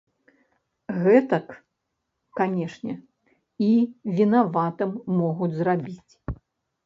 Гэтак, канешне, і вінаватым могуць зрабіць.